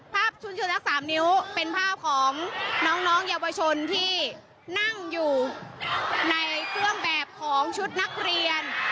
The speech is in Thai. ภาพชุมชนทั้ง๓นิ้วเป็นภาพของน้องเยาวชนที่นั่งอยู่ในเครื่องแบบของชุดนักเรียน